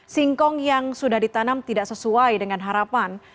singkong yang sudah ditanam tidak sesuai dengan harapan